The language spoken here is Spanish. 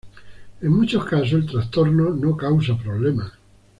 En muchos casos, el trastorno no causa problemas.